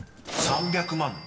［３００万］